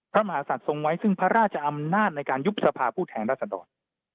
มหาศัตว์ทรงไว้ซึ่งพระราชอำนาจในการยุบสภาผู้แทนรัศดร